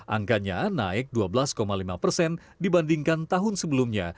angkanya naik dua belas lima persen dibandingkan tahun sebelumnya